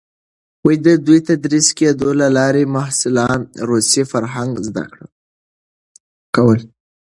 د دوی تدریس کېدو له لارې محصلان روسي فرهنګ زده کول.